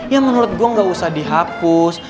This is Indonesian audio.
ya menurut gue gak usah dihapus